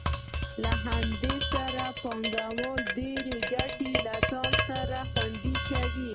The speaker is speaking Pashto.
په همدې سره پانګوال ډېرې ګټې له ځان سره خوندي کوي